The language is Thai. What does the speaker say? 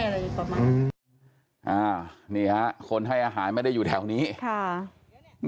แล้วก็ผ่านไปไงแล้วคือ